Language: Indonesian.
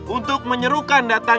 untuk menyerukan datanya